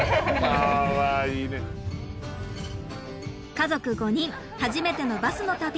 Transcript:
家族５人初めてのバスの旅。